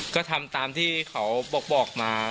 ก็ทำตามที่เขาบอกมา